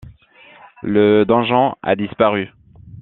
Le donjon a disparu.